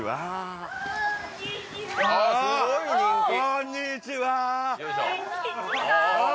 こんにちはああ